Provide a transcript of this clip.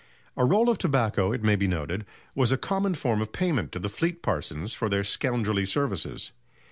A roll of tobacco, it may be noted, was a common form of payment to the Fleet parsons for their scoundrelly services.